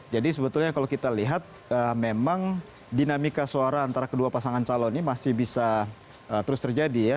jadi sebetulnya kalau kita lihat memang dinamika suara antara kedua pasangan calon ini masih bisa terus terjadi ya